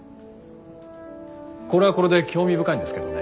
これはこれで興味深いんですけどね。